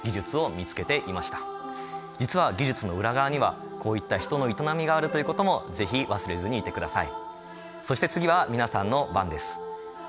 実は技術の裏側にはこういった人の営みがあるということも是非忘れずにいてください。